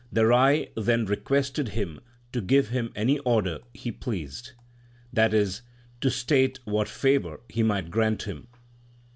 The Rai then requested him to give him any order he pleased, that is, to state what favour he might grant him.